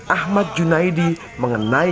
ahmad junaidi mengenai